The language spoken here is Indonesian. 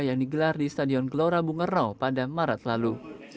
yang digelar di stadion kelora bunga raw pada maret lalu